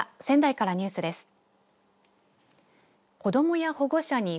仙台からニュースです。